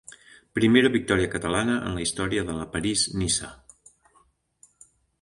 Primera victòria catalana en la història de la París-Niça.